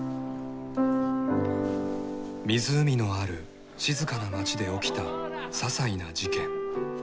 湖のある静かな街で起きたささいな事件。